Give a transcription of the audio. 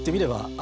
あ。